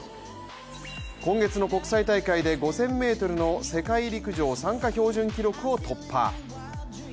今月の国際大会で５０００ｍの世界陸上参加標準記録を突破。